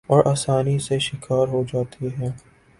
اور آسانی سے شکار ہو جاتے ہیں ۔